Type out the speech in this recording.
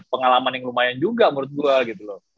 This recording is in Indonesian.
pengalaman yang lumayan juga menurut gue